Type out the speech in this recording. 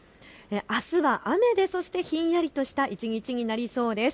あすは雨でひんやりとした一日になりそうです。